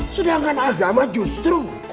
sedangkan agama justru